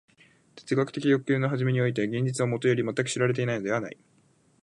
哲学的探求の初めにおいて現実はもとより全く知られていないのではない。